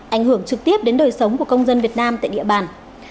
ảnh hưởng trực tiếp đến đời sống của công dân việt nam tại địa bàn